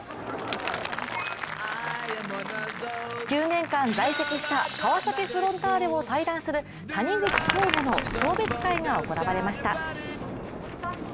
９年間在籍した川崎フロンターレを退団する谷口彰悟の送別会が行われました。